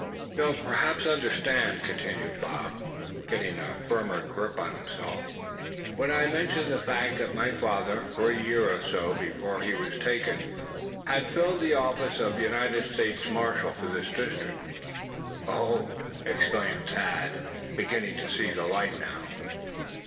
"You'll perhaps understand, suh," continued Bob, getting a firmer grip on himself; "when I mention the fact that my father, for a year or so before he was taken, had filled the office of United States Marshal for this district." "Oh!" exclaimed Thad, beginning to see light now.